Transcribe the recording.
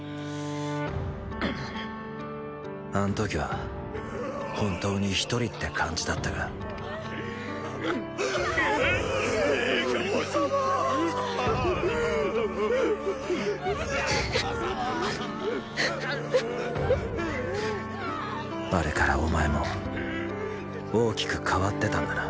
あん時は本当に“一人”って感じだったがあれからお前も大きく変わってたんだな